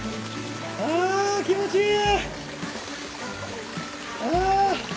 あ気持ちいい。